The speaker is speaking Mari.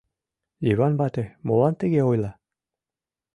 Йыван вате молан тыге ойла?